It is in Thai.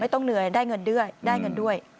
ไม่ต้องเหนื่อยได้เงินด้วย